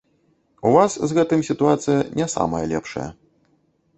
У вас з гэтым сітуацыя не самая лепшая.